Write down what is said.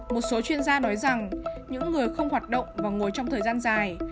một số chuyên gia nói rằng những người không hoạt động và ngồi trong thời gian dài